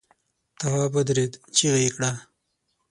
تواب ودرېد، چيغه يې کړه!